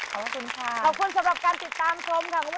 ขอบคุณสำหรับการติดตามชมค่ะคุณผู้ชมค่ะ